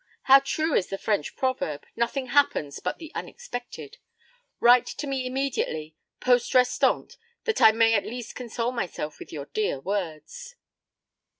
How true is the French proverb, 'Nothing happens but the unexpected'! Write to me immediately Poste Restante, that I may at least console myself with your dear words.'